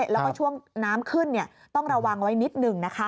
แล้วก็ช่วงน้ำขึ้นต้องระวังไว้นิดหนึ่งนะคะ